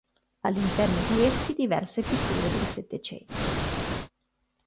All'interno di essi diverse pitture del Settecento.